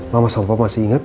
mama sama papa masih ingat